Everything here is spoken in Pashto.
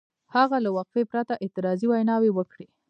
هغه له وقفې پرته اعتراضي ویناوې وکړې.